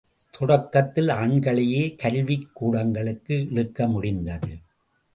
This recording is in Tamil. தொடக்கத்தில் ஆண்களையே கல்விக் கூடங்களுக்கு இழுக்க முடிந்தது.